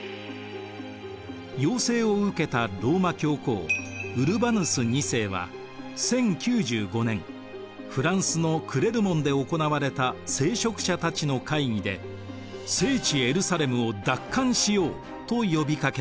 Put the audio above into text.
要請を受けたローマ教皇ウルバヌス２世は１０９５年フランスのクレルモンで行われた聖職者たちの会議で「聖地エルサレムを奪還しよう！」と呼びかけました。